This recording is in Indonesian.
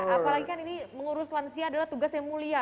apalagi kan ini mengurus lansia adalah tugas yang mulia